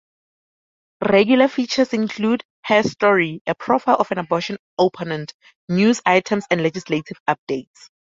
Regular features include "Herstory"-a profile of an abortion opponent, news items, and legislative updates.